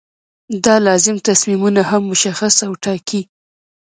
دا لازم تصمیمونه هم مشخص او ټاکي.